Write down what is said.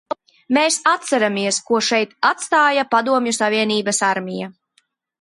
Mēs atceramies, ko šeit atstāja Padomju Savienības armija.